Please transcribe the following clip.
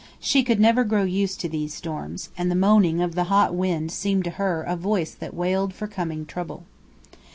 She could never grow used to these storms, and the moaning of the hot wind seemed to her a voice that wailed for coming trouble.